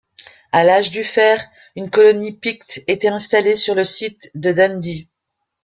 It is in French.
À l'Âge du fer, une colonie Picte était installée sur le site de Dundee.